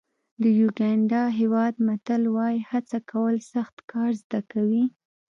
د یوګانډا هېواد متل وایي هڅه کول سخت کار زده کوي.